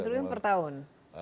rp tujuh triliun per tahun